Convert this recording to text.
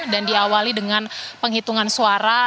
dan diawali dengan penghitungan suara